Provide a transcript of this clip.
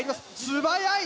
素早い！